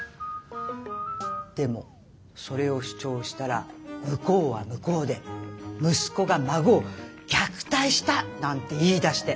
でもそれを主張したら向こうは向こうで息子が孫を虐待したなんて言いだして。